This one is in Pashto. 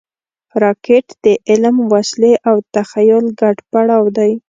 راکټ د علم، وسلې او تخیل ګډ پړاو دی